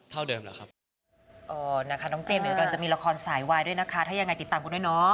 เท่าเดิมแล้วครับ